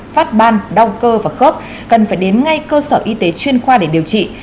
phát ban đau cơ và khớp cần phải đến ngay cơ sở y tế chuyên khoa để điều trị